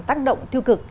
tác động tiêu cực